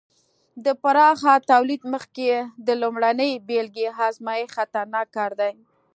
د پراخه تولید مخکې د لومړنۍ بېلګې ازمېښت خطرناک کار دی.